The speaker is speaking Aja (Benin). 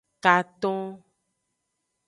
Katon.